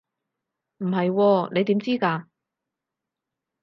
唔係喎，你點知㗎？